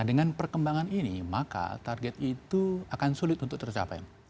nah dengan perkembangan ini maka target itu akan sulit untuk tercapai